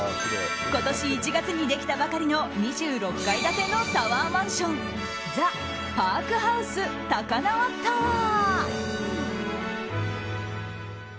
今年１月にできたばかりの２６階建てのタワーマンションザ・パークハウス高輪タワー。